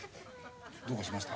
どうかしました？